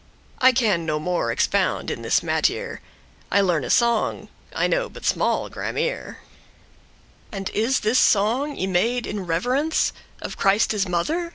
* *die I can no more expound in this mattere: I learne song, I know but small grammere." "And is this song y made in reverence Of Christe's mother?"